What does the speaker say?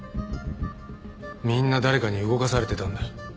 みんな誰かに動かされてたんだ。